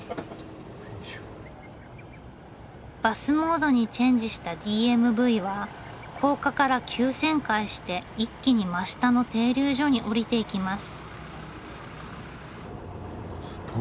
バスモードにチェンジしたＤＭＶは高架から急旋回して一気に真下の停留所に下りていきます。